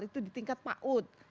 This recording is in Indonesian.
itu di tingkat pa'ud